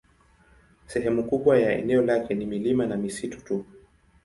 Sehemu kubwa ya eneo lake ni milima na misitu tu.